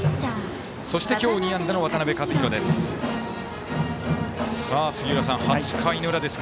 そして、今日２安打の渡辺和大です。